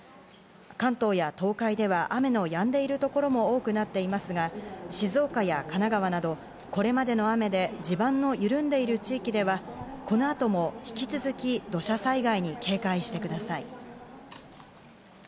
関東や東海では雨のやんでいるところも多くなっていますが、静岡や神奈川など、これまでの雨で地盤の緩んでいる地域では、この後も引き続き土砂災害に警戒してください。